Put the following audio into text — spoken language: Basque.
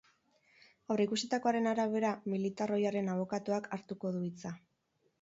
Aurreikusitakoaren arabera, militar ohiaren abokatuak hartuko du hitza.